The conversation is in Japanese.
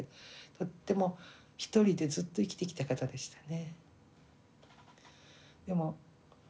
とっても一人でずっと生きてきた方でしたね。